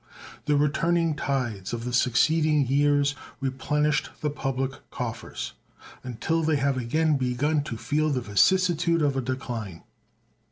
The returning tides of the succeeding years replenished the public coffers until they have again begun to feel the vicissitude of a decline.